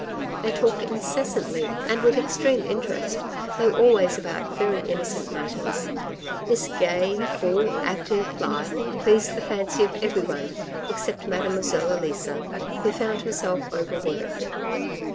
They talked incessantly and with extreme interest, though always about very innocent matters. This gay, full, active life, pleased the fancy of everyone, except Mademoiselle Elisa who found herself overworked.